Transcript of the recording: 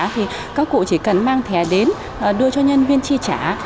thì các cụ chỉ cần mang thẻ đến đưa cho nhân viên chi trả